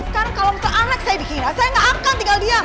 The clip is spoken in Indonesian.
sekarang kalau misalnya anak saya dikira saya nggak akan tinggal diam